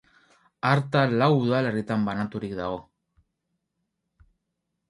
Arta lau udalerritan banaturik dago.